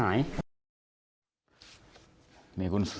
มันดิ้น